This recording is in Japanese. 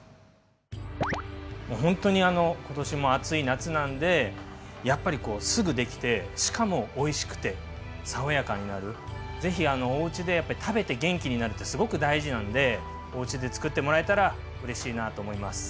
もうほんとに今年も暑い夏なんでやっぱりすぐできてしかもおいしくて爽やかになるぜひおうちでやっぱり食べて元気になるってすごく大事なのでおうちで作ってもらえたらうれしいなと思います。